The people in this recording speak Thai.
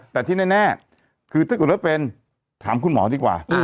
แต่ที่แน่คือถ้าเกิดว่าเป็นถามคุณหมอดีกว่า